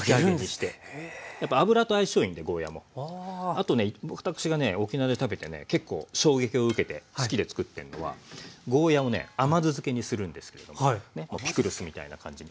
あとね私がね沖縄で食べてね結構衝撃を受けて好きでつくってるのはゴーヤーをね甘酢漬けにするんですけれどもピクルスみたいな感じに。